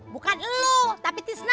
bukan lu tapi tisna